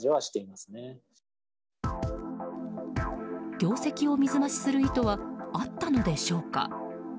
業績を水増しする意図はあったのでしょうか。